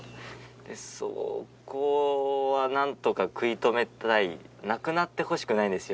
でそこは何とか食い止めたいなくなってほしくないんですよ